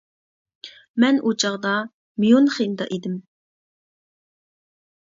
مەن ئۇ چاغدا ميۇنخېندا ئىدىم.